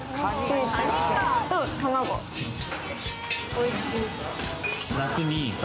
おいしい。